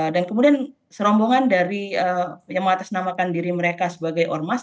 dan kemudian serombongan dari yang mengatasnamakan diri mereka sebagai ormas